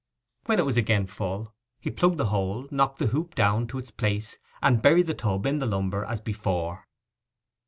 When it was again full he plugged the hole, knocked the hoop down to its place, and buried the tub in the lumber as before.